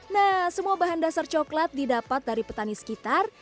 nah semua bahan dasar coklat didapat dari petani sekitar